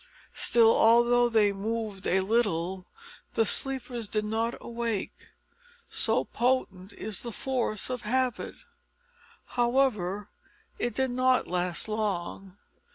Still, although they moved a little, the sleepers did not awake so potent is the force of habit! However, it did not last long.